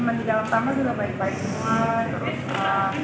maka dia harus dengan terapis dan beradaptasi